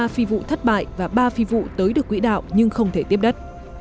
ba phi vụ thất bại và ba phi vụ tới được quỹ đạo nhưng không thể tiếp đất